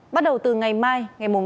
bắt đầu từ ngày mai ngày năm tháng tám